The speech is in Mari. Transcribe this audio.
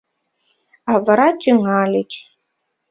А вара тӱҥальыч...